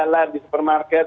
belan di supermarket